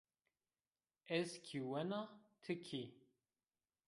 Ez kî wena, ti kî